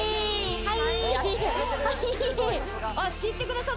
はい。